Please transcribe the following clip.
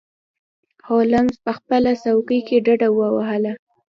هولمز په خپله څوکۍ کې ډډه ووهله.